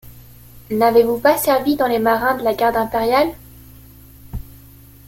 N’avez-vous pas servi dans les marins de la garde impériale?